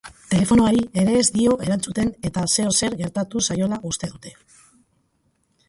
Telefonoari ere ez dio erantzuten eta zeozer gertatu zaiola uste dute.